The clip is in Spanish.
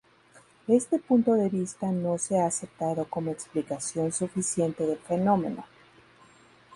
Este punto de vista no se ha aceptado como explicación suficiente del fenómeno.